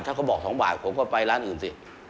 ถ้าเขาบอก๒บาทผมก็ไปร้านอื่นสิ